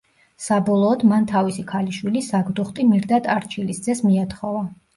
საბოლოოდ, მან თავისი ქალიშვილი, საგდუხტი მირდატ არჩილის ძეს მიათხოვა.